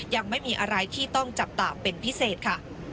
ยังไม่มีอะไรที่ต้องจับตาเป็นพิเศษค่ะ